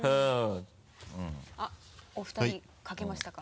お二人書けましたか？